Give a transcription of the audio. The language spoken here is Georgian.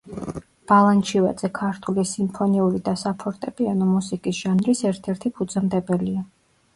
ბალანჩივაძე ქართული სიმფონიური და საფორტეპიანო მუსიკის ჟანრის ერთ-ერთი ფუძემდებელია.